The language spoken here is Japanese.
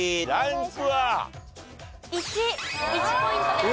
１。１ポイントです。